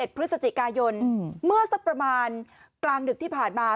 พฤศจิกายนเมื่อสักประมาณกลางดึกที่ผ่านมา